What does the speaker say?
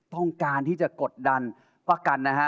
ต้องการที่จะกดดันประกันนะฮะ